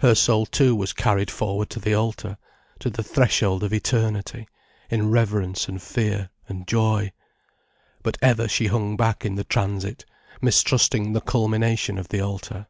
Her soul too was carried forward to the altar, to the threshold of Eternity, in reverence and fear and joy. But ever she hung back in the transit, mistrusting the culmination of the altar.